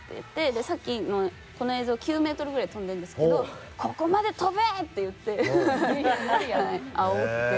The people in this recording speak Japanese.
さっきのこの映像９メートルぐらい跳んでるんですけど「ここまで跳べ！」って言ってあおってって感じで。